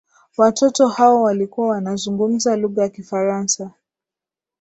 watoto hao walikuwa wanazungumza lugha ya kifaransa